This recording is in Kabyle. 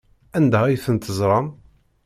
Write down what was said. Anda ay tent-teẓram?